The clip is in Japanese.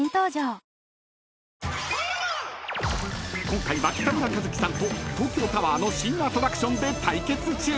［今回は北村一輝さんと東京タワーの新アトラクションで対決中］